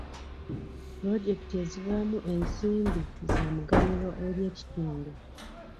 Pulojekiti ezivaamu ensimbi za muganyulo eri ekitundu.